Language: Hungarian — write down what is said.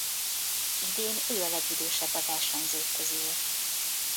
Idén ő a legidősebb a versenyzők közül.